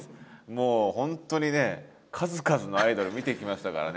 もう本当にね数々のアイドル見てきましたからね。